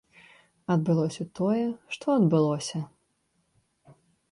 Адбылося тое, што адбылося.